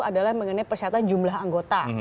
adalah mengenai persyaratan jumlah anggota